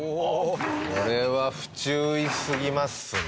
これは不注意すぎますね